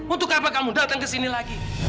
untuk apa kamu datang ke sini lagi